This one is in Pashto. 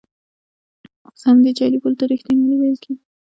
اوس همدې جعلي پولو ته ریښتینولي ویل کېږي.